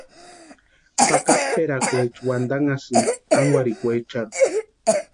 Pakatperakwaecha waxatʼanhasïnti tankwarhikweecharhu.